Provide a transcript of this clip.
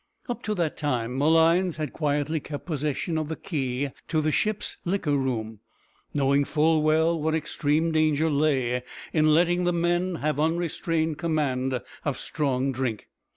Up to that time Malines had quietly kept possession of the key of the ship's liquor room, knowing full well what extreme danger lay in letting men have unrestrained command of strong drink.